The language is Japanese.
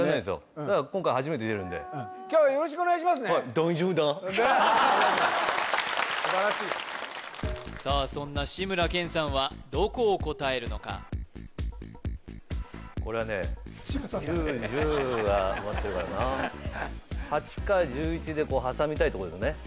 だから今回初めて出るんで今日はよろしくお願いしますね・素晴らしいそんな志村けんさんはどこを答えるのかこれはね志村さん９１０は埋まってるからなとこですね